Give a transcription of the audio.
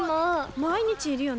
毎日いるよね